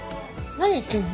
何言ってんの？